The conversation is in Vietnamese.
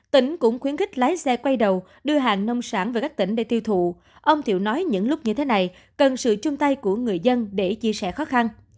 tỉnh cũng khuyến khích lái xe quay đầu đưa hàng nông sản về các tỉnh để tiêu thụ ông thiệu nói những lúc như thế này cần sự chung tay của người dân để chia sẻ khó khăn